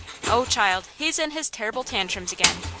"Oh, child, he's in his terrible tantrums again!